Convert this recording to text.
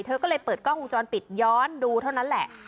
เธอก็เลยเปิดกล้องวงจรปิดย้อนดูเท่านั้นแหละ